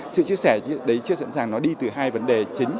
sự chia sẻ đấy chưa sẵn sàng nó đi từ hai vấn đề chính